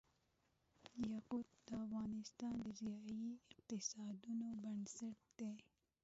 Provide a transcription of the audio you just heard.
یاقوت د افغانستان د ځایي اقتصادونو بنسټ دی.